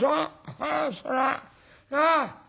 ああそらなあ。